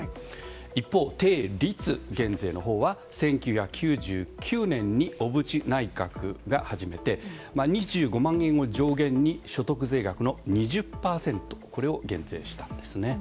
一方、定率減税のほうは１９９９年に小渕内閣が始めて２５万円を上限に所得税税額の２０％を減税したんですね。